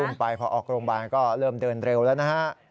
ไปพอออกโรงพยาบาลก็เริ่มเดินเร็วแล้วนะฮะ